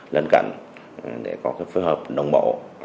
lân cận để có phối hợp đồng bộ